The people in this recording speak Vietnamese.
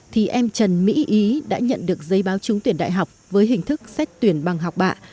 thì em trần mỹ ý đã nhận được giấy báo trúng tuyển đại học với hình thức xét tuyển bằng học bạ